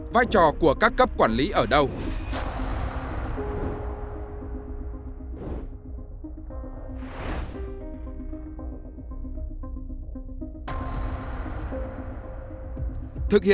vai trò của các cấp quản lý ở đâu